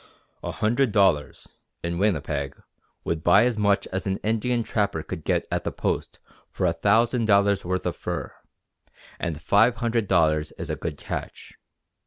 A hundred dollars, in Winnipeg, would buy as much as an Indian trapper could get at the Post for a thousand dollars' worth of fur, and five hundred dollars is a good catch.